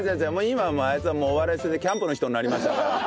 今はあいつはお笑い捨ててキャンプの人になりましたから。